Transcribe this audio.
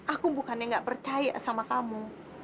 aku bukannya gak percaya sama kamu